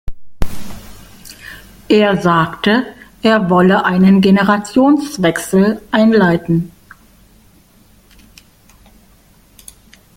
Er sagte, er wolle einen Generationswechsel einleiten.